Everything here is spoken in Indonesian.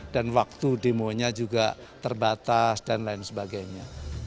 dan waktu demonya juga terbatas dan lain sebagainya